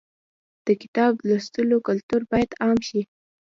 د کتاب لوستلو کلتور باید عام شي.